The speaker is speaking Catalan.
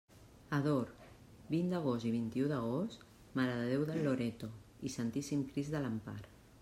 Ador: vint d'agost i vint-i-u d'agost, Mare de Déu del Loreto i Santíssim Crist de l'Empar.